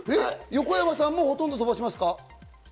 横山さんもほとんど飛ばしますか？